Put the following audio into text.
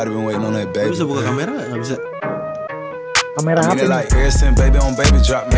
buat story aja buat story